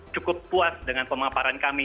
cukup puas dengan pemaparan kami